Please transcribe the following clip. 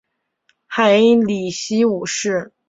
海因里希五世。